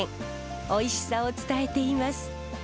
おいしさを伝えています。